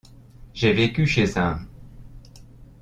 J’ai vécu chez un.